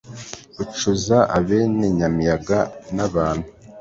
ucuza abene nyamiyaga nabantu.